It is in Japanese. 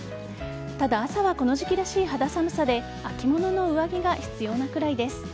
ただ、朝はこの時期らしい肌寒さで秋物の上着が必要なくらいです。